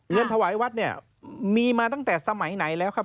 เงินถวายวัดมีมาตั้งแต่สมัยไหนแล้วครับ